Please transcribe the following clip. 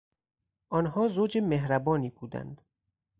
آنها زوج مهربانی بودند.